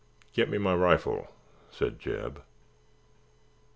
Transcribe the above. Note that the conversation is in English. "Get me my rifle," said Jeb.